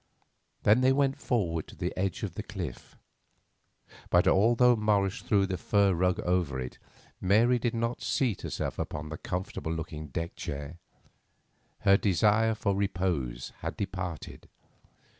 Then they went forward to the edge of the cliff, but although Morris threw the fur rug over it Mary did not seat herself in the comfortable looking deck chair. Her desire for repose had departed.